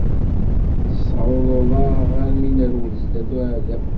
Tessawḍeḍ-aɣ armi i nerwel sdat uɛdaw.